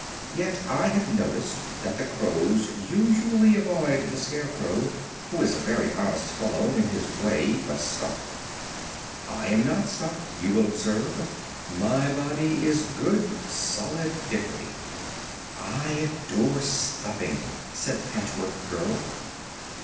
Yet I have noticed that the crows usually avoid the Scarecrow, who is a very honest fellow, in his way, but stuffed. I am not stuffed, you will observe; my body is good solid hickory." "I adore stuffing," said the Patchwork Girl.